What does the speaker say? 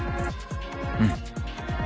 うん。